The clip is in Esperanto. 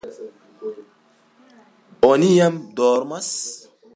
Oni jam dormas.